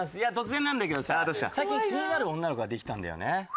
突然なんだけどさ最近気になる女の子ができたんだよね。